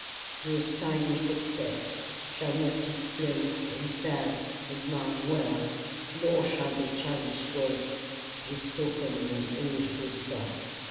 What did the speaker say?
Those tiny footsteps shall not be slow and sad as mine were, nor shall the childish words be spoken in an awed whisper.